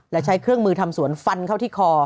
และใช้เครื่องมือทำสวนฟันเข้าที่คอ